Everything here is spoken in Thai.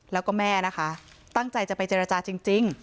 แล้วก็แม่นะคะตั้งใจจะไปเจรจาจริง